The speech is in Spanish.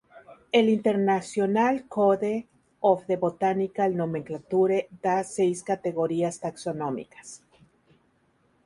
El international code of the botanical nomenclature da seis categorías taxonómicas.